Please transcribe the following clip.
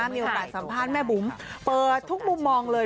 มีโอกาสสัมภาษณ์แม่บุ๋มเปิดทุกมุมมองเลย